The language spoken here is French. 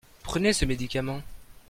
Prenez ce médicament.